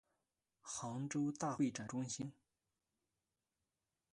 杭州大会展中心